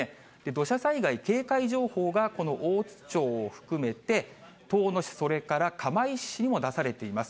土砂災害警戒情報が、この大槌町を含めて遠野市、それから釜石市にも出されています。